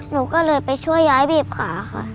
หนูก็เลยไปช่วยย้ายบีบขาค่ะ